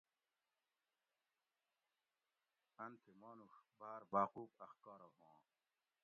ان تھی مانوڛ باۤر باقوب اخکار ہُواں